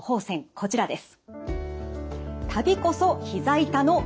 こちらです。